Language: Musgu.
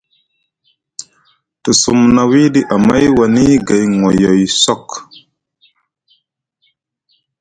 Te sumna wiɗi amay woni gay ŋoyay sok.